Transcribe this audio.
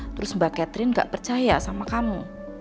terus mbak catherine gak percaya sama kamu